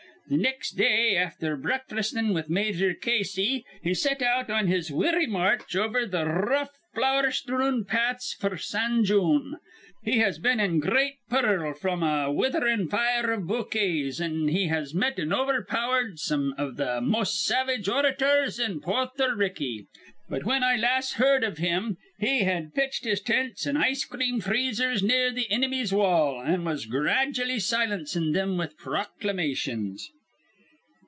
Th' nex' day, afther breakfastin' with Mayor Casey, he set out on his weary march over th' r rough, flower strewn paths f'r San Joon. He has been in gr reat purl fr'm a witherin' fire iv bokays, an' he has met an' overpowered some iv th' mos' savage orators in Porther Ricky; but, whin I las' heerd iv him, he had pitched his tents an' ice cream freezers near the inimy's wall, an' was grajully silencin' thim with proclamations."